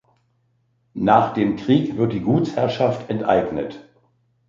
Nach dem Krieg wird die Gutsherrschaft enteignet.